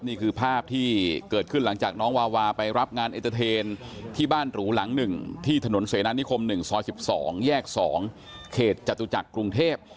นี่คือภาพที่เกิดขึ้นหลังจากน้องวาวาไปรับงานเอ็นเตอร์เทนที่บ้านหรูหลัง๑ที่ถนนเสนานิคม๑ซอย๑๒แยก๒เขตจตุจักรกรุงเทพ